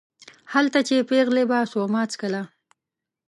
هلته چې پېغلې به سوما څکله